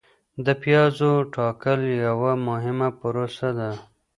د پیازو ټاکل یوه مهمه پروسه ده.